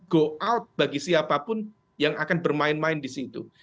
go out bagi siapapun yang akan bermain main di situ